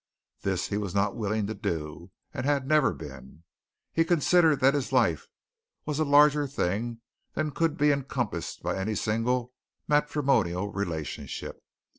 This he was not willing to do and had never been. He considered that his life was a larger thing than could be encompassed by any single matrimonial relationship.